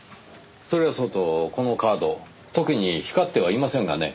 それはそうとこのカード特に光ってはいませんがね。